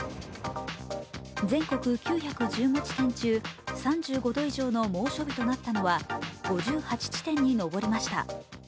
全国９１５地点中、３５度以上の猛暑日となったのは５８地点に上りました。